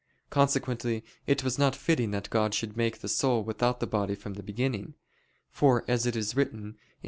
Consequently it was not fitting that God should make the soul without the body from the beginning: for as it is written (Wis.